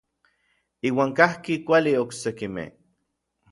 Iuan kajki kuali oksekimej.